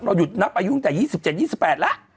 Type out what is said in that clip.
หยุดนับอายุตั้งแต่๒๗๒๘แล้ว